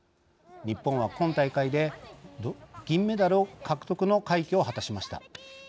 日本は、今大会で銀メダル獲得の快挙を果たしました。